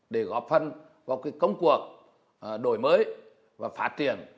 để góp phần vào công cuộc đổi mới và phát triển